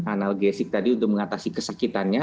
analgesik tadi untuk mengatasi kesakitannya